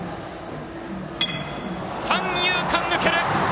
三遊間、抜けた！